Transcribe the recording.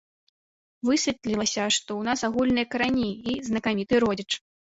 Высветлілася, што ў нас агульныя карані і знакаміты родзіч.